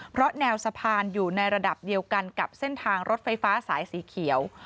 เพราะแนวสะพานอยู่ในระดับเดียวกันกับเส้นทางรถไฟฟ้าสายสีเขียว